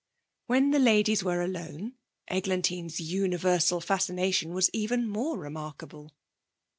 When the ladies were alone Eglantine's universal fascination was even more remarkable.